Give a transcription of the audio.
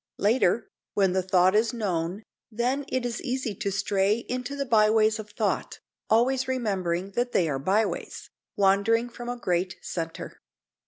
Later, when the thought is known, then it is easy to stray into the byways of thought, always remembering that they are byways, wandering from a great centre.